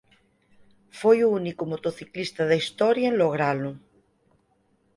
Foi o único motociclista da historia en logralo.